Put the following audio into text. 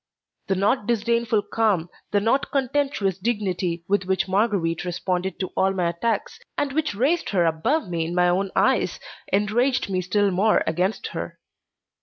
The not disdainful calm, the not contemptuous dignity with which Marguerite responded to all my attacks, and which raised her above me in my own eyes, enraged me still more against her.